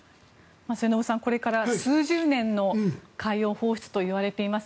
末延さんこれから数十年の海洋放出と言われています。